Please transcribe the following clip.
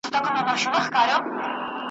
چې ساقي د لمر جامونه یو په بل ږدي